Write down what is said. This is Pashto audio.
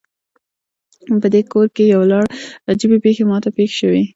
پدې کور کې یو لړ عجیبې پیښې ما ته پیښ شوي